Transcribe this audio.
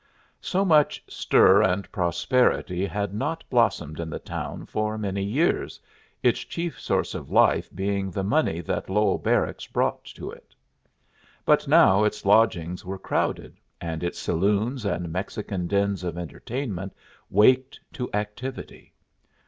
So much stir and prosperity had not blossomed in the town for many years, its chief source of life being the money that Lowell Barracks brought to it. But now its lodgings were crowded and its saloons and Mexican dens of entertainment waked to activity.